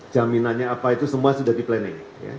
jaminannya apa itu semua sudah di planning